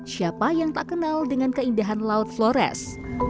siapa yang tak kenal dengan keindahan laut flores